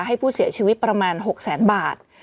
ให้ผู้เสียชีวิตประมาณ๖แสนบาท